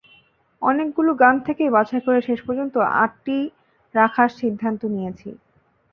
অনেকগুলো গান থেকে বাছাই করে শেষ পর্যন্ত আটটি রাখার সিদ্ধান্ত নিয়েছি।